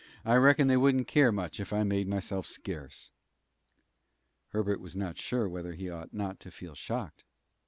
I reckon they wouldn't care much if I made myself scarce." Herbert was not sure whether he ought not to feel shocked.